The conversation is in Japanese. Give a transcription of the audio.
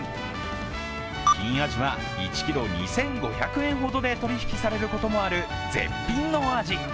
金アジは１ｋｇ２５００円ほどで取引されることもある絶品のアジ。